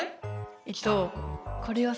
えっとこれはさ